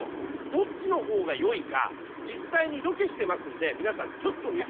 どっちの方がよいか実際にロケしてますんで皆さん見比べてください。